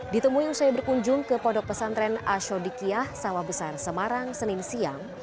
ditemui usai berkunjung ke podok pesantren asyodikiah sawabesan semarang senin siang